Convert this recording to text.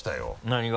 何が？